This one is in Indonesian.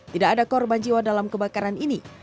tidak ada korban jiwa dalam kebakaran ini